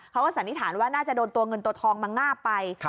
สันนิษฐานว่าน่าจะโดนตัวเงินตัวทองมางาบไป